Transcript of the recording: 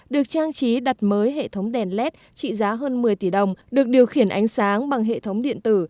được trang trí đặt mới hệ thống đèn led trị giá hơn một mươi tỷ đồng được điều khiển ánh sáng bằng hệ thống điện tử